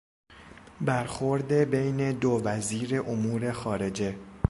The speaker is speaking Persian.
برخورد بین دو وزیر امور خارجه